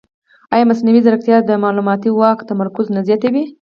ایا مصنوعي ځیرکتیا د معلوماتي واک تمرکز نه زیاتوي؟